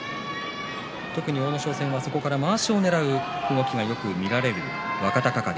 特に阿武咲戦はそこからまわしをねらう動きがよく見られる若隆景。